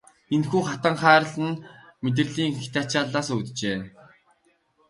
Энэхүү хатанхайрал нь мэдрэлийн хэт ачааллаас үүджээ.